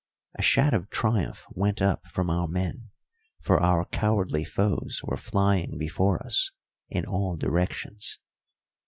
A shout of triumph went up from our men, for our cowardly foes were flying before us in all directions.